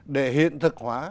để hiện thực hóa